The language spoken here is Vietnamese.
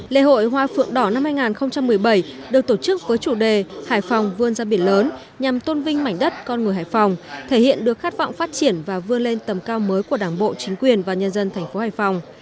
lễ hội hoa phượng đỏ năm hai nghìn một mươi bảy được tổ chức với chủ đề hải phòng vươn ra biển lớn nhằm tôn vinh mảnh đất con người hải phòng thể hiện được khát vọng phát triển và vươn lên tầm cao mới của đảng bộ chính quyền và nhân dân thành phố hải phòng